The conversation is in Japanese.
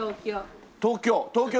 東京。